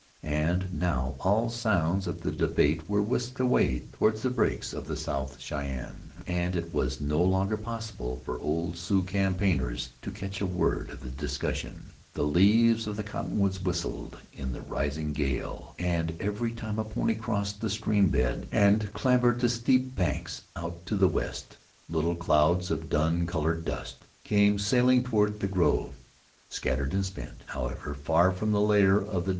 And now all sounds of the debate were whisked away toward the breaks of the South Shyenne,[*] and it was no longer possible for old Sioux campaigners to catch a word of the discussion. The leaves of the cottonwoods whistled in the rising gale, and every time a pony crossed the stream bed and clambered the steep banks out to the west, little clouds of dun colored dust came sailing toward the grove, scattered and spent, however, far from the lair of the defence.